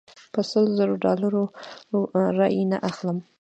په سلو زرو ډالرو رایې نه اخلم.